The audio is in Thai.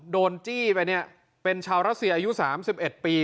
โดนจี้ไปเนี้ยเป็นชาวรัสเซียอายุสามสิบเอ็ดปี